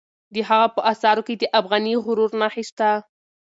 د هغه په آثارو کې د افغاني غرور نښې شته.